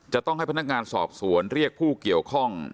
จะต้องให้พนักงานสอบสวนเรียกผู้เกี่ยวข้อง